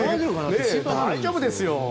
大丈夫ですよ。